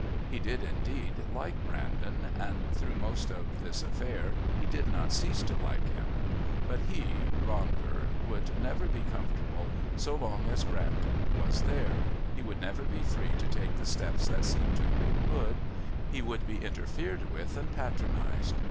He did, indeed, like Brandon, and through most of this affair he did not cease to like him, but he, Ronder, would never be comfortable so long as Brandon was there, he would never be free to take the steps that seemed to him good, he would be interfered with and patronised.